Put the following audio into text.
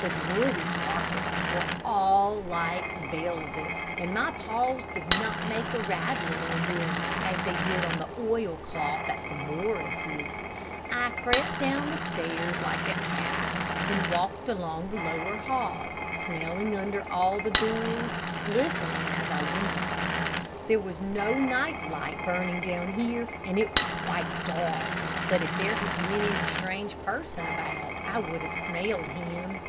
The Drurys' carpets were all like velvet, and my paws did not make a rattling on them as they did on the oil cloth at the Morrises'. I crept down the stairs like a cat, and walked along the lower hall, smelling under all the doors, listening as I went. There was no night light burning down here, and it was quite dark, but if there had been any strange person about I would have smelled him.